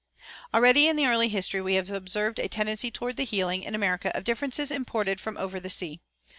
Already in the early history we have observed a tendency toward the healing, in America, of differences imported from over sea.